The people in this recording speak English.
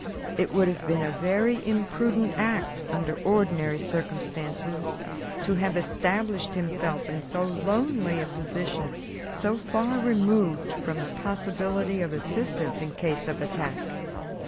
It would have been a very imprudent act, under ordinary circumstances, to have established himself in so lonely a position, so far removed from the possibility of assistance in case of attack.